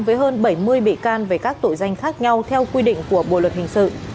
với hơn bảy mươi bị can về các tội danh khác nhau theo quy định của bộ luật hình sự